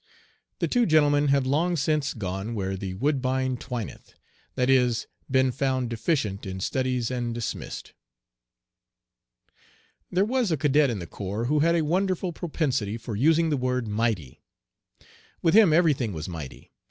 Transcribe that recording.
The two gentlemen have long since gone where the "woodbine twineth" that is, been found deficient in studies and dismissed. There was a cadet in the corps who had a wonderful propensity for using the word "mighty." With him everything was "mighty."